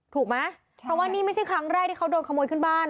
ถูกไหมเพราะว่านี่ไม่ใช่ครั้งแรกที่เขาโดนขโมยขึ้นบ้าน